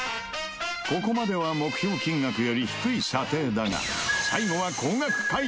ここまでは目標金額より低い査定だが。